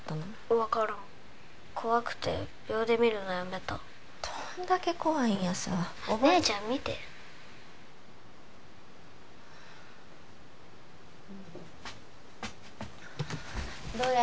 分からん怖くて秒で見るのやめたどんだけ怖いんやさ姉ちゃん見てどれ？